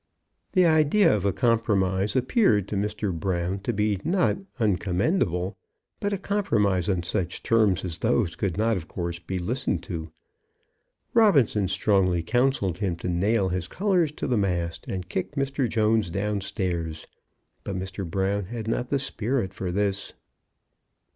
The idea of a compromise appeared to Mr. Brown to be not uncommendable; but a compromise on such terms as those could not of course be listened to. Robinson strongly counselled him to nail his colours to the mast, and kick Mr. Jones downstairs. But Mr. Brown had not spirit for this.